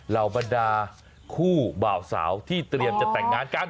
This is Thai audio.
เหล่าบรรดาคู่บ่าวสาวที่เตรียมจะแต่งงานกัน